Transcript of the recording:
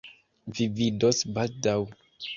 Vi vidos baldaŭ.